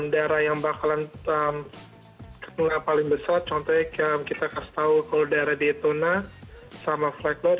daerah yang bakalan kemuliaan paling besar contohnya kita kasih tahu kalau daerah daytona sama flagler